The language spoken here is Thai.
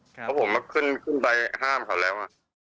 เพราะผมมาขึ้นไปห้ามเขาแล้ว